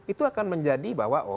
itu akan menjadi bahwa